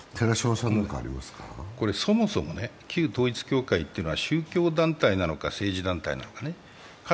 そもそも旧統一教会というのは宗教団体なのか政治団体かのか。